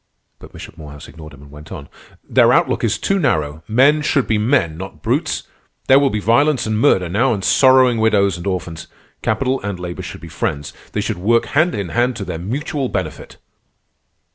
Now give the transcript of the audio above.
But Bishop Morehouse ignored him and went on: "Their outlook is too narrow. Men should be men, not brutes. There will be violence and murder now, and sorrowing widows and orphans. Capital and labor should be friends. They should work hand in hand and to their mutual benefit."